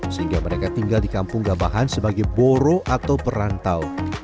sehingga mereka tinggal di kampung gabahan sebagai boro atau perantau